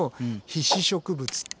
被子植物。